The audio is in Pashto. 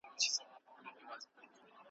چي دي سوز دی په غزل کي چي لمبه دي هر کلام دی ,